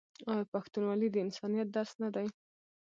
آیا پښتونولي د انسانیت درس نه دی؟